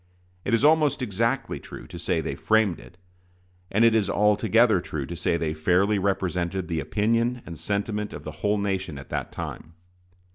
It is almost exactly true to say they framed it, and it is altogether true to say they fairly represented the opinion and sentiment of the whole nation at that time.